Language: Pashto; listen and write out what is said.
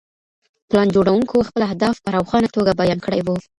پلان جوړوونکو خپل اهداف په روښانه توګه بیان کړي وو.